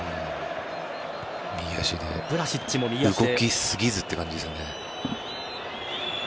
右足で、動きすぎずって感じですよね。